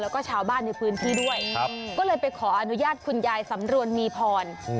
แล้วก็ชาวบ้านในพื้นที่ด้วยก็เลยไปขออนุญาตคุณยายสำรวนมีพร